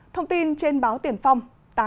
thông tin trên báo tiền phong